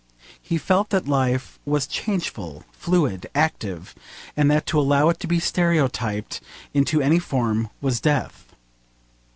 He felt that life was changeful, fluid, active, and that to allow it to be stereotyped into any form was death.